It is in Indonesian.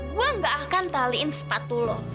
gue gak akan taliin sepatu lo